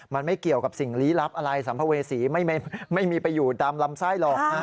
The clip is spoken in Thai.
มันไม่เกี่ยวกับสิ่งลี้ลับอะไรสัมภเวษีไม่มีไปอยู่ตามลำไส้หรอก